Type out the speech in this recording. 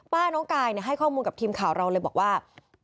น้องกายให้ข้อมูลกับทีมข่าวเราเลยบอกว่า